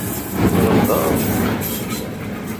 Tṛebba awtul.